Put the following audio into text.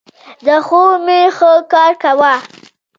دا خو مي ښه کار کاوه.